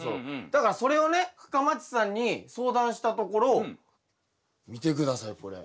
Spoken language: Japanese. だからそれをね深町さんに相談したところ見て下さいこれ。